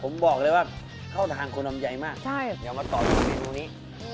ผมบอกเลยว่าเข้าทางคนอำไยมากอยากมาต่อทางไหนนู้นี้